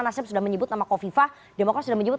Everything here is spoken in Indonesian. nasib sudah menyebut nama kofifa demokrasi sudah menyebut